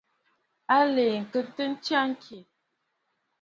Aləə kaʼanə ntsya ŋkì.